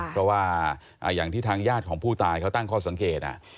เพราะว่าอย่างที่ทางญาติของผู้ตายเขาตั้งข้อสังเกต